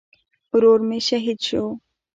ورور مې شهید شو